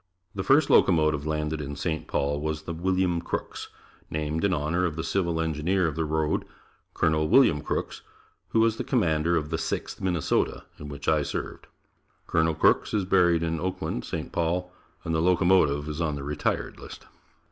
The first locomotive landed in St. Paul was the "William Crooks," named in honor of the Civil Engineer of the road, Col. William Crooks, who was the Commander of the "Sixth Minnesota," in which I served. Colonel Crooks is buried in Oakland, St. Paul and the locomotive is on the retired list.